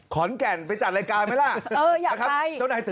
ขอนแก่นไปจัดรายการไหมล่ะ